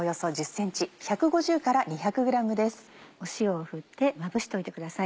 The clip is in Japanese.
塩を振ってまぶしといてください。